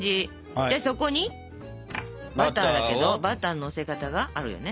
でそこにバターだけどバターののせ方があるよね？